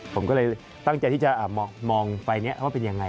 ผมก็เลยตั้งใจที่จะมองไฟล์นี้ว่าเป็นยังไง